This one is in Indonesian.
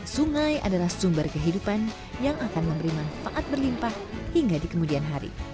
sungai adalah sumber kehidupan yang akan memberi manfaat berlimpah hingga di kemudian hari